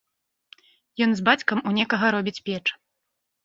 Ён з бацькам у некага робіць печ.